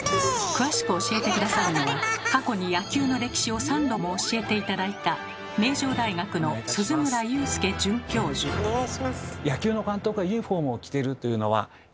詳しく教えて下さるのは過去に野球の歴史を３度も教えて頂いたはい。